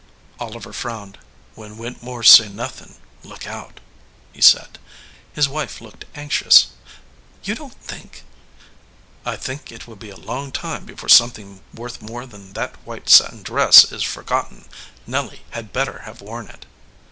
Oliver frowned. "When Whittemores say noth ing, look out," he said. His wife looked anxious. "You don t think ? "I think it will be a long time before something worth more than that white satin dress is forgotten. Nelly had better have worn it."